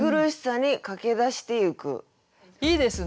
いいですね。